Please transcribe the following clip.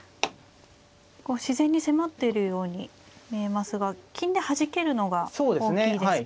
こう自然に迫っているように見えますが金ではじけるのが大きいですか。